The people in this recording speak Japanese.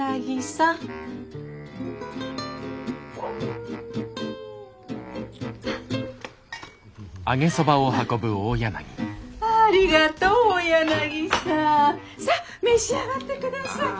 さっ召し上がって下さい。